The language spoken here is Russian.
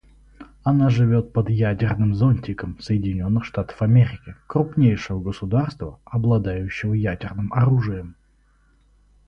Она живет под «ядерным зонтиком» Соединенных Штатов Америки, крупнейшего государства, обладающего ядерным оружием.